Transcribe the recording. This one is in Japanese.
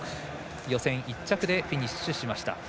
予選１着でフィニッシュしました。